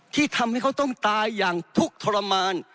ที่ทำให้เขาต้องตายอย่างทุกข์ทรมาน